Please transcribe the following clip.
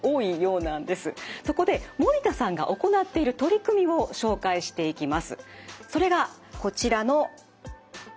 そこで守田さんが行っている取り組みを紹介していきます。